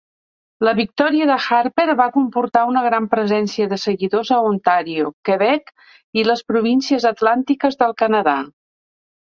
La victòria de Harper va comportar una gran presencia de seguidors a Ontario, Quebec i les Províncies Atlàntiques del Canadà.